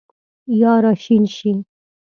یا راشین شي